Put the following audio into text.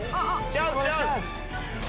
チャンスチャンス！